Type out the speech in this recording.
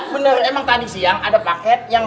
bener emang tadi siang ada paket yang